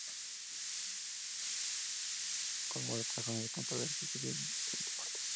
Como abogada trabaja en el campo del derecho civil y del deporte.